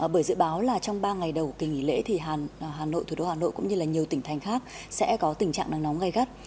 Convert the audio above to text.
bởi dự báo là trong ba ngày đầu kỳ nghỉ lễ thì hà nội thủ đô hà nội cũng như là nhiều tỉnh thành khác sẽ có tình trạng nắng nóng gây gắt